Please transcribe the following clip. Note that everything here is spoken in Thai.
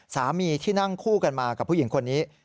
ที่นั่งคู่กันมากับผู้หญิงคนนี้